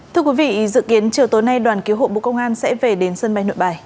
thưa quý vị dự kiến chiều tối nay đoàn cứu hộ bộ công an sẽ về đến sân bay nội bài